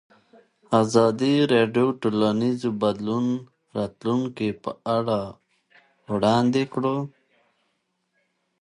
ازادي راډیو د ټولنیز بدلون د راتلونکې په اړه وړاندوینې کړې.